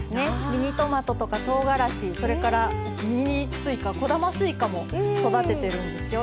ミニトマトとかとうがらし、それからミニすいかこだますいかも育ててるんですよ。